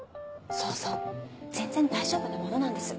そうそう全然大丈夫なものなんです。